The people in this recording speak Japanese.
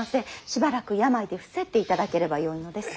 しばらく病で伏せっていただければよいのです。